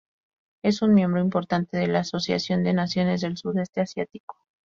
Es un miembro importante de la Asociación de Naciones del Sudeste Asiático.